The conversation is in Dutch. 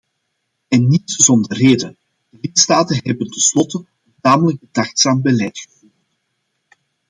En niet zonder reden: de lidstaten hebben tenslotte een tamelijk bedachtzaam beleid gevoerd.